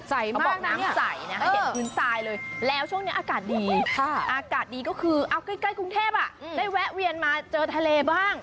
ใสมากนะเนี่ยเออแล้วช่วงนี้อากาศดีอากาศดีก็คือใกล้กรุงเทพฯได้แวะเวียนมาเจอทะเลบ้าง